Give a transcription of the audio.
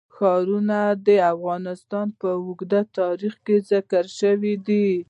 ښارونه د افغانستان په اوږده تاریخ کې ذکر شوی دی.